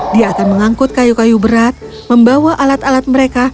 dia akan mengangkut kayu kayu berat membawa alat alat mereka